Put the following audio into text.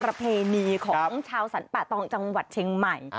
ประเพณีของชาวสรรปะตองจังหวัดเชียงใหม่